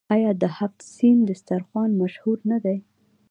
آیا د هفت سین دسترخان مشهور نه دی؟